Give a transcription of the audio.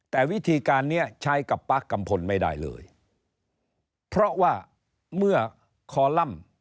แต่วิธีการนี้ใช้กับป๊ากกัมพลไม่ได้เลยเพราะว่าเมื่อคอลัมป์